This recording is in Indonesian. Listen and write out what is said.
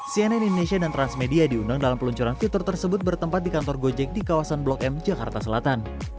cnn indonesia dan transmedia diundang dalam peluncuran fitur tersebut bertempat di kantor gojek di kawasan blok m jakarta selatan